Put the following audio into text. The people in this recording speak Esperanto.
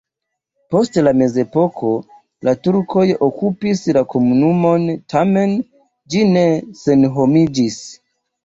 Post la mezepoko la turkoj okupis la komunumon, tamen ĝi ne senhomiĝis.